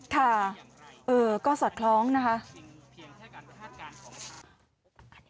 ค่ะเออก็สัดคล้องนะฮะ